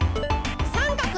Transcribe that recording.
さんかく！